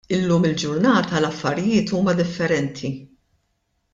Illum il-ġurnata l-affarijiet huma differenti.